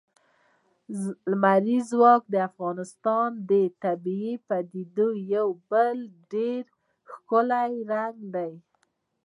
لمریز ځواک د افغانستان د طبیعي پدیدو یو بل ډېر ښکلی رنګ دی.